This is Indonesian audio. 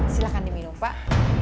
silahkan diminum pak